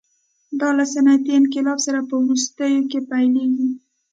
دا له صنعتي انقلاب سره په وروستیو کې پیلېږي.